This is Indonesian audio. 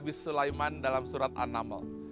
kisah nabi sulaiman dalam surat an naml